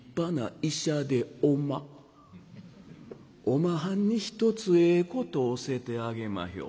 おまはんに一つええこと教えてあげまひょ。